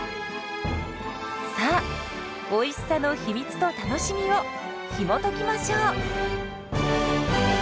さあおいしさの秘密と楽しみをひもときましょう！